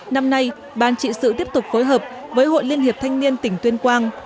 năm nay ban trị sự tiếp tục phối hợp với hội liên hiệp thanh niên tỉnh tuyên quang